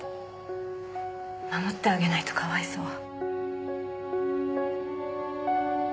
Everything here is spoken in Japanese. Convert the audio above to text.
守ってあげないとかわいそう。